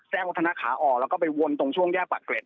วัฒนาขาออกแล้วก็ไปวนตรงช่วงแยกปากเกร็ด